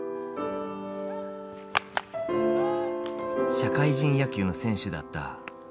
社会人野球の選手だった徹さん。